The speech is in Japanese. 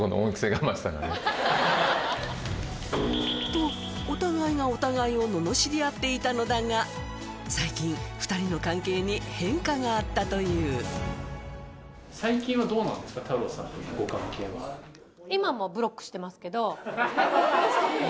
とお互いがお互いを罵り合っていたのだが最近２人の関係に変化があったというしてますけど。